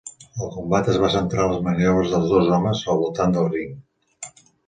El combat es va centrar en les maniobres dels dos homes al voltant del ring.